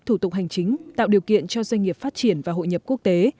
thủ tục hành chính tạo điều kiện cho doanh nghiệp phát triển và hội nhập quốc tế